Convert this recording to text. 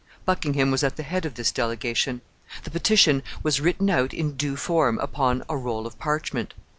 Buckingham was at the head of this delegation. The petition was written out in due form upon a roll of parchment.